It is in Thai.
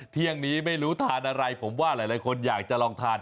เที่ยงนี้ไม่รู้ทานอะไรผมว่าหลายคนอยากจะลองทาน